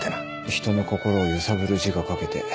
人の心を揺さぶる字が書けて。